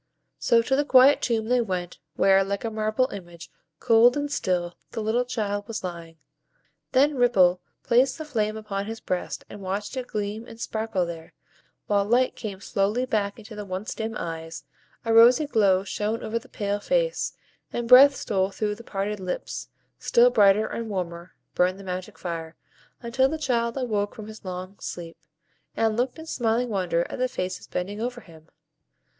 So to the quiet tomb they went, where, like a marble image, cold and still, the little child was lying. Then Ripple placed the flame upon his breast, and watched it gleam and sparkle there, while light came slowly back into the once dim eyes, a rosy glow shone over the pale face, and breath stole through the parted lips; still brighter and warmer burned the magic fire, until the child awoke from his long sleep, and looked in smiling wonder at the faces bending over him.